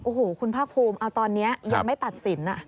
โอ้โหคุณภาคภูมิเอาตอนนี้ยังไม่ตัดสิน